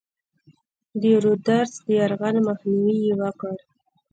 د رودز د یرغل مخنیوی یې وکړ.